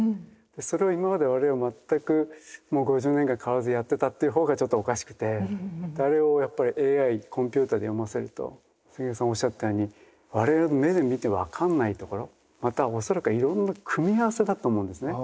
それを今まで我々全くもう５０年間変わらずやってたっていうほうがちょっとおかしくてあれをやっぱりＡＩコンピューターで読ませると関根さんおっしゃったように我々が目で見てわかんないところまた恐らくはいろんな組み合わせだと思うんですね。